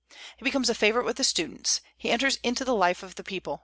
He becomes a favorite with the students; he enters into the life of the people.